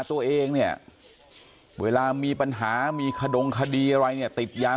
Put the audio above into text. แค้นเหล็กเอาไว้บอกว่ากะจะฟาดลูกชายให้ตายเลยนะ